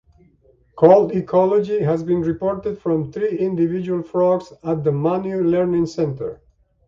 Call ecology has been reported from three individual frogs at the Manu Learning Centre.